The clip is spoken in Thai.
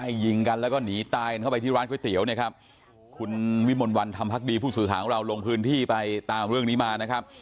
ยิงกันแล้วก็หนีตายกันเข้าไปที่ร้านก๋วยเตี๋ยวเนี่ยครับคุณวิมลวันธรรมพักดีผู้สื่อข่าวของเราลงพื้นที่ไปตามเรื่องนี้มานะครับ